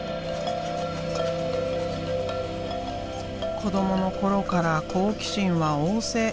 子どもの頃から好奇心は旺盛。